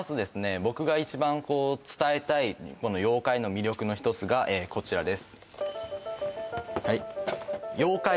僕が一番伝えたい妖怪の魅力の１つがこちらです